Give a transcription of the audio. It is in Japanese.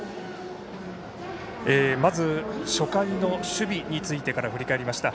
まず、初回の守備についてから振り返りました。